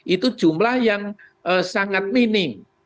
itu jumlah yang sangat minim